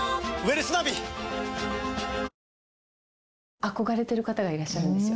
憧れてる方がいらっしゃるんですよ。